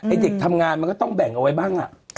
เด็กทำงานมันก็ต้องแบ่งเอาไว้บ้าง